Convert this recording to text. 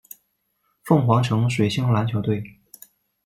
凤凰城水星篮球队。